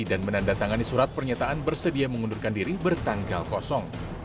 dan menandatangani surat pernyataan bersedia mengundurkan diri bertanggal kosong